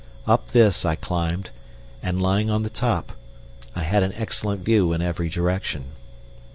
Up this I climbed, and, lying on the top, I had an excellent view in every direction.